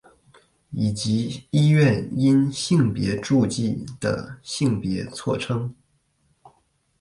以及医院因性别注记的性别错称。